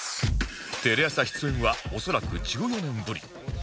テレ朝出演は恐らく１４年ぶり